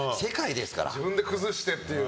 自分で崩してという。